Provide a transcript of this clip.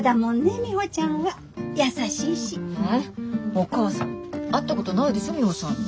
お母さん会ったことないでしょミホさんに。